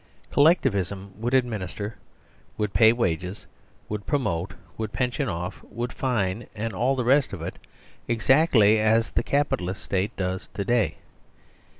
Collectivism would administer, would pay wages, would promote, would pension off, would fine and all the rest of it exactly as the Cap italist State does to day.